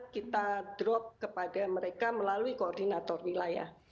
kita drop kepada mereka melalui koordinator wilayah